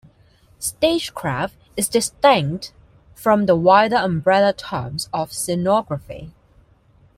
Stagecraft is distinct from the wider umbrella term of scenography.